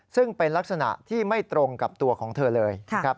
ซึ่งเป็นลักษณะที่ไม่ตรงกับตัวของเธอเลยนะครับ